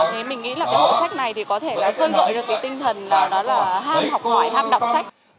thì mình nghĩ là cái hội sách này có thể xây dựng được cái tinh thần ham học ngoại ham đọc sách